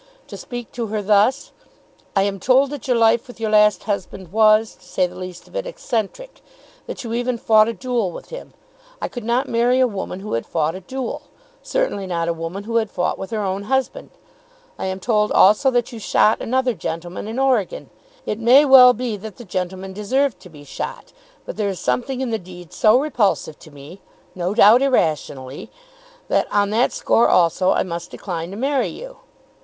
To speak to her thus; "I am told that your life with your last husband was, to say the least of it, eccentric; that you even fought a duel with him. I could not marry a woman who had fought a duel, certainly not a woman who had fought with her own husband. I am told also that you shot another gentleman in Oregon. It may well be that the gentleman deserved to be shot; but there is something in the deed so repulsive to me, no doubt irrationally, that, on that score also, I must decline to marry you.